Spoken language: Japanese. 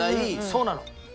そうなの。